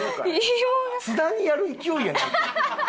津田にやる勢いやないか。